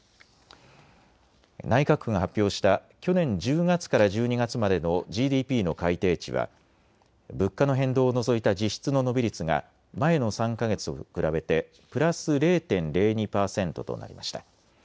内閣府が発表した去年１０月から１２月までのＧＤＰの改定値は物価の変動を除いた実質の伸び率が前の３か月と比べてプラス０．０２％となりました。